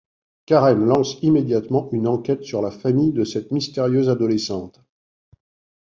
Karen lance immédiatement une enquête sur la famille de cette mystérieuse adolescente...